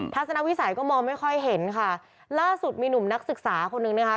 ทัศนวิสัยก็มองไม่ค่อยเห็นค่ะล่าสุดมีหนุ่มนักศึกษาคนนึงนะคะ